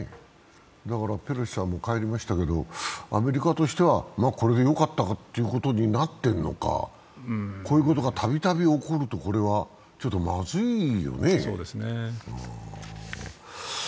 ペロシさんはもう帰りましたけど、アメリカとしてはこれでよかったということになっているのか、こういうことがたびたび起こるとまずいよね。